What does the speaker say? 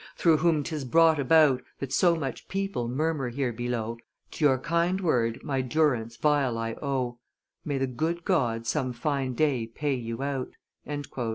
through whom 'tis brought about That so much people murmur here below, To your kind word my durance vile I owe; May the good God some fine day pay you out!